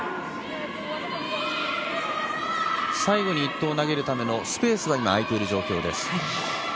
最後に１投を投げるためのスペースは空いている状況です。